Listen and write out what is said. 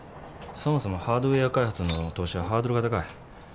そもそもハードウェア開発の投資はハードルが高い。